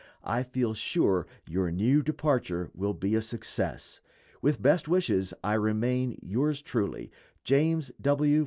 I feel sure your new departure will be a success. With best wishes, I remain, yours truly, JAMES W.